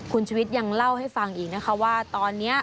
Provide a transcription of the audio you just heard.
คุณชวิตยังเล่าให้ฟังอีกนะคะว่าตอนนี้